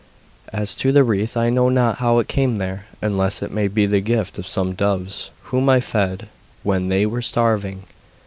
'As to the wreath, I know not how it came there, unless it may be the gift of some doves whom I fed when they were starving!